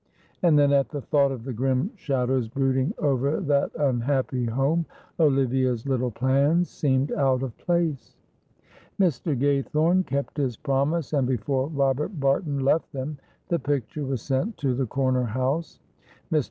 And then at the thought of the grim shadows brooding over that unhappy home, Olivia's little plans seemed out of place. Mr. Gaythorne kept his promise, and before Robert Barton left them, the picture was sent to the corner house. Mr.